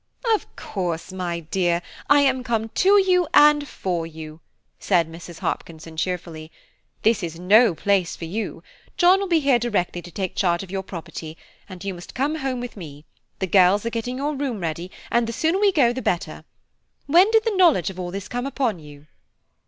"Of course, my dear, I am come to you and for you," said Mrs. Hopkinson cheerfully. "This is no place for you. John will be here directly to take care of your property, and you must come home with me. The girls are getting your room ready, and the sooner we go the better. When did the knowledge of all this come upon you?"